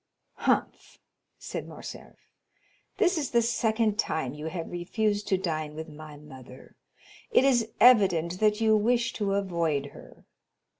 "Humph," said Morcerf, "this is the second time you have refused to dine with my mother; it is evident that you wish to avoid her."